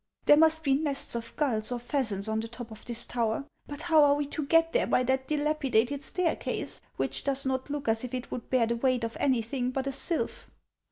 There must be nests of gulls or pheasants on the top of this tower; but how are we to get there by that dilapidated staircase, which does not look as if it would bear the weight of anything but a sylph